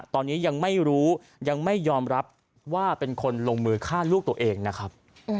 ตอนนี้ยังไม่รู้ยังไม่ยอมรับว่าเป็นคนลงมือฆ่าลูกตัวเองนะครับ